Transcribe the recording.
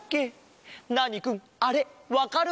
ナーニくんあれわかる？